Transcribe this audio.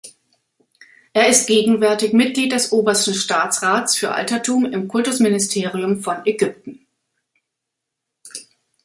Er ist gegenwärtig Mitglied des Obersten Staatsrats für Altertum im Kultusministerium von Ägypten.